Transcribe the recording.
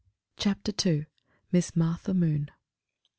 CHAPTER II. MISS MARTHA MOON.